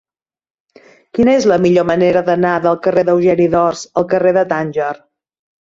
Quina és la millor manera d'anar del carrer d'Eugeni d'Ors al carrer de Tànger?